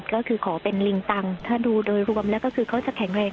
ก็คือขอเป็นลิงตังถ้าดูโดยรวมแล้วก็คือเขาจะแข็งแรง